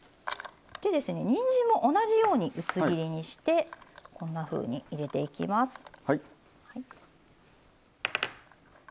にんじんも同じように薄切りにしてこんなふうに入れていきます。